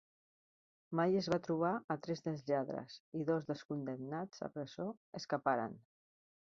Mai es va trobar a tres dels lladres i dos dels condemnats a presó escaparen.